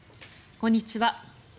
こんにちは。